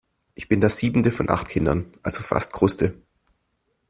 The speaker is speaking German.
Ich bin das siebente von acht Kindern, also fast Kruste.